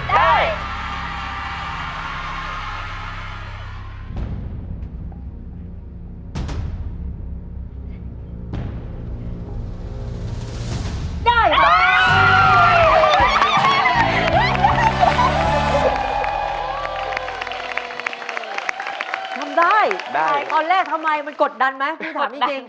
ทำได้ทำได้ตอนแรกทำไมมันกดดันไหมผมถามอีกนิดนึง